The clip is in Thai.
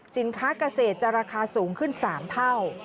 สินค้าเกษตรจะราคาสูงขึ้น๓เท่า